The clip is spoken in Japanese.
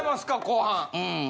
後半。